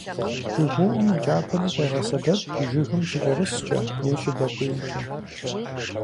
ЖыгыуIум и кIапэри къегъэсэбэп жыгым щыкIэрыскIэ е щыдэкIуейкIэ.